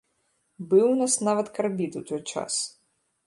Быў у нас нават карбід у той час.